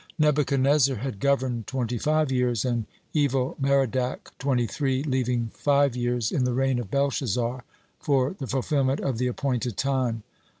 Nebuchadnezzar had governed twenty five years, and Evil merodach twenty three, leaving five years in the reign of Belshazzar for the fulfilment of the appointed time.